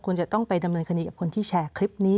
จะต้องไปดำเนินคดีกับคนที่แชร์คลิปนี้